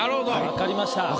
わかりました。